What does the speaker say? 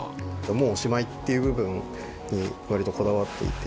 「もうおしまい」っていう部分に割とこだわっていて。